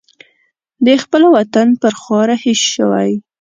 د خپل وطن پر خوا رهي شوی.